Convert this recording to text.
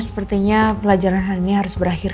sepertinya pelajaran hal ini harus berakhir